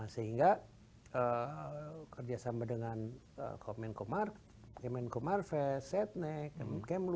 sehingga kerjasama dengan kemenkomar kemenkomar fest setnek kemenkemlu